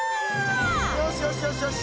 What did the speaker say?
よしよしよしよし！